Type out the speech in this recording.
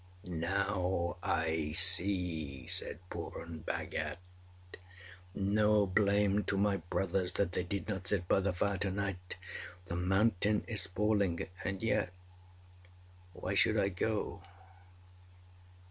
âNow I see,â said Purun Bhagat. âNo blame to my brothers that they did not sit by the fire to night. The mountain is falling. And yet why should I go?